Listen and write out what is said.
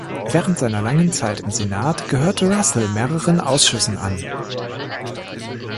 Während seiner langen Zeit im Senat gehörte Russell mehreren Ausschüssen an.